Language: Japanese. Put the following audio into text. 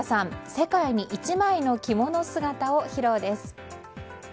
世界に１枚の着物姿を披露です。